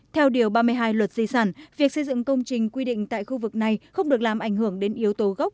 theo điều ba mươi hai luật di sản việc xây dựng công trình quy định tại khu vực này không được làm ảnh hưởng đến yếu tố gốc